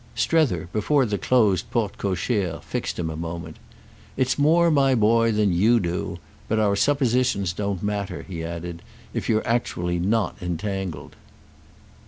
Strether, before the closed porte cochère, fixed him a moment. "It's more, my boy, than you do! But our suppositions don't matter," he added, "if you're actually not entangled."